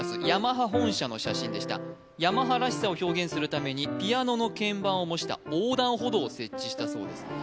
ヤマハ本社の写真でしたヤマハらしさを表現するためにピアノの鍵盤を模した横断歩道を設置したそうです